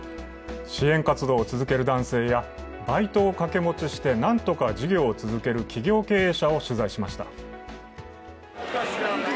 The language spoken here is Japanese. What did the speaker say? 支援活動を続ける男性やバイトを掛け持ちしてなんとか事業を続ける企業経営者を取材しました。